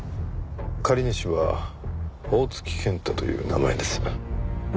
借り主は大槻健太という名前です。